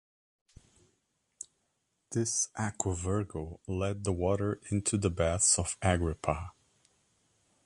This "Aqua Virgo" led the water into the Baths of Agrippa.